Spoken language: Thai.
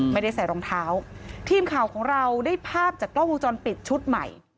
ไม่ได้ใส่รองเท้าทีมข่าวของเราได้ภาพจากกล้องวงจรปิดชุดใหม่